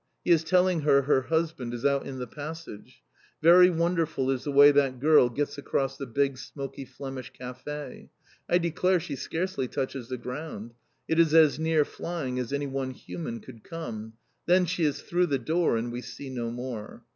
He is telling her her husband is out in the passage. Very wonderful is the way that girl gets across the big, smoky, Flemish café. I declare she scarcely touches the ground. It is as near flying as anyone human could come. Then she is through the door, and we see no more.